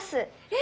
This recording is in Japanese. え！？